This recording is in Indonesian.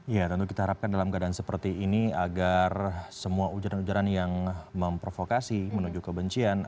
ya tentu kita harapkan dalam keadaan seperti ini agar semua ujaran ujaran yang memprovokasi menuju kebencian